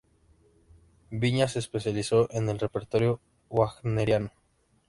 Viñas se especializó en el repertorio wagneriano.